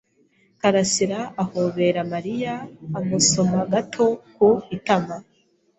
Karasiraahobera Mariya amusoma gato ku itama.